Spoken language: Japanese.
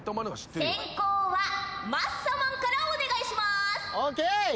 先攻はマッサマンからお願いします。ＯＫ！